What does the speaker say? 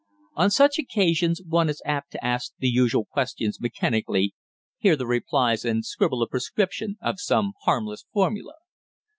On such occasions one is apt to ask the usual questions mechanically, hear the replies and scribble a prescription of some harmless formula.